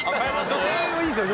女性もいいですよ。